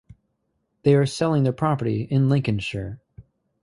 They are selling their property in Lincolnshire.